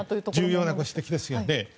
重要なご指摘ですね。